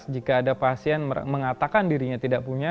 jika ada pasien mengatakan dirinya tidak punya